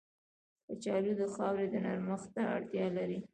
کچالو د خاورې نرمښت ته اړتیا لري